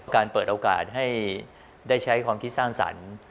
เปิดโอกาสให้ได้ใช้ความคิดสร้างสรรค์